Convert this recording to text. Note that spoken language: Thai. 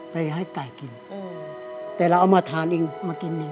ไปให้ไก่กินแต่เราเอามาทานเองมากินเอง